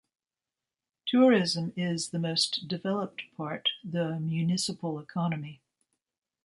Tourism is the most developed part the municipal economy.